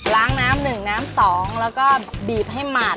ล้างน้ำหนึ่งน้ำสองแล้วก็บีบให้หมาด